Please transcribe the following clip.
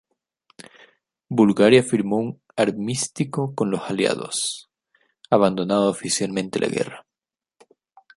Bulgaria firmó un armisticio con los Aliados, abandonando oficialmente la guerra.